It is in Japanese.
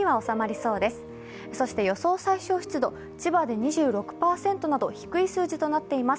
そして予想最小湿度、千葉で２６％など低い数字となっています。